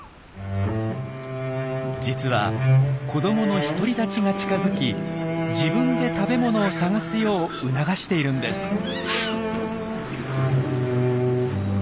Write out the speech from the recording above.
実は子どもの独り立ちが近づき自分で食べ物を探すよう促しているんです。